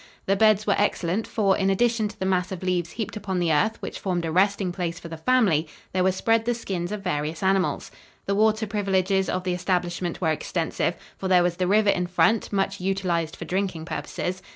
The beds were excellent, for, in addition to the mass of leaves heaped upon the earth which formed a resting place for the family, there were spread the skins of various animals. The water privileges of the establishment were extensive, for there was the river in front, much utilized for drinking purposes.